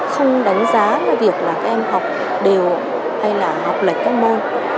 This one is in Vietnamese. không đánh giá cái việc là các em học đều hay là học lệch các môn